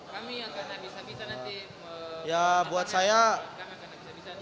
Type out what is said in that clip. kami akan bisa nanti melihat pemain yang lain